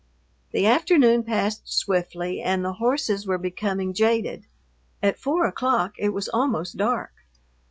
The afternoon passed swiftly and the horses were becoming jaded. At four o'clock it was almost dark.